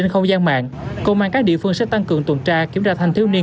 công dân mạng công an các địa phương sẽ tăng cường tuần tra kiểm tra thành thiếu niên